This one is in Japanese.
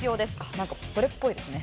なんかそれっぽいですね。